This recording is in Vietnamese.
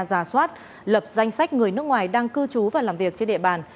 giả soát lập danh sách người nước ngoài đang cư trú và làm việc trên địa bàn